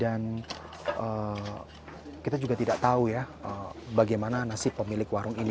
dan kita juga tidak tahu ya bagaimana nasib pemilik warung ini